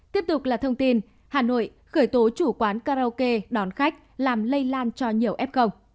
tiếp tục là thông tin hà nội khởi tố chủ quán karaoke đón khách làm lây lan cho nhiều f